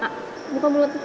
pak lupa mulut lo